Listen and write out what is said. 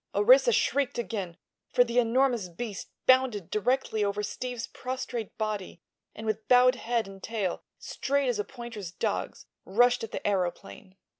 Orissa shrieked again, for the enormous beast bounded directly over Steve's prostrate body and with bowed head and tail straight as a pointer dog's rushed at the aëroplane.